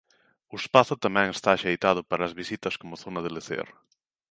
O espazo tamén está axeitado para as visitas como zona de lecer.